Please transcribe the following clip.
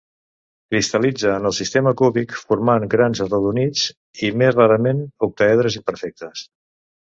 Cristal·litza en el sistema cúbic, formant grans arrodonits, i més rarament octàedres imperfectes.